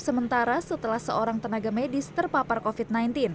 sementara setelah seorang tenaga medis terpapar covid sembilan belas